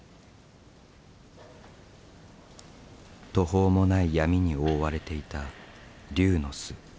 途方もない闇に覆われていた龍の巣。